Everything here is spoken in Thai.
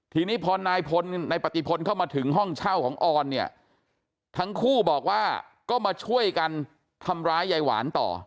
ทีนี้พอนายพลนายปฏิพลเข้ามาถึงห้องเช่าของออนเนี่ยทั้งคู่บอกว่าก็มาช่วยกันทำร้ายยายหวานต่อ